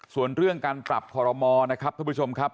ส่วนเรื่องการปรับคอรมอนะครับท่านผู้ชมครับ